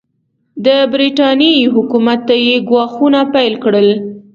د برټانیې حکومت ته یې ګواښونه پیل کړل.